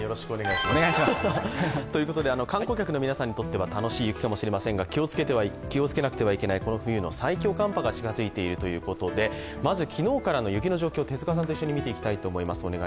観光客の皆さんにとっては楽しい雪かもしれませんが、気を付けなくてはいけないこの冬の最強寒波が近づいているということでまず昨日からの雪の状況を手塚さんと一緒に見ていきたいと思います。